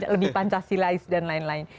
lebih pancasilais dan lain lain